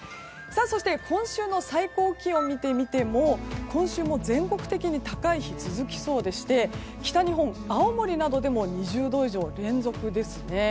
今週の最高気温を見ても今週も全国的に高い日が続きそうでして北日本、青森などでも２０度以上が連続ですね。